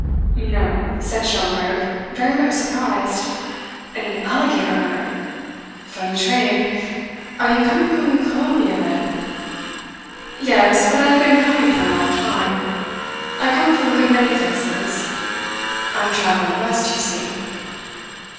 "No," said Schomberg, very much surprised. "An alligator hunter? Funny trade! Are you coming from Colombia, then?" "Yes, but I have been coming for a long time. I come from a good many places. I am travelling west, you see."